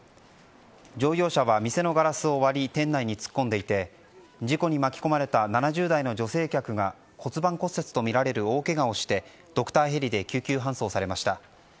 乗用車は店のガラスを割り店内に突っ込んでいて事故に巻き込まれた７０代の女性客が骨盤骨折とみられる大ケガをしてドクターヘリで救急搬送されました。